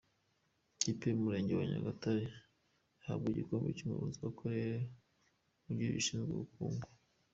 Ikipe y’umurenge wa Nyagatare ihabwa igikombe n’umuyobozi w’akarere wungirije ushinzwe ubukungu.